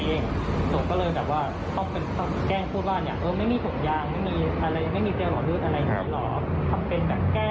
แล้วครั้งนี้มันก็เริ่มมันก็ถามว่าหนูเป็นเกษตรหรือเปล่า